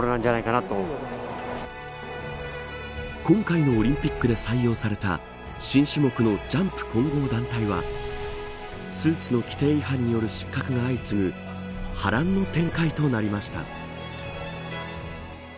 今回のオリンピックで採用された新種目のジャンプ混合団体はスーツの規定違反による失格が相次ぐ波乱の展開となりました。